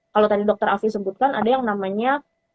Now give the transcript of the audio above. kalau tadi dr afri sebutkan ada yang namanya